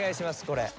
これ。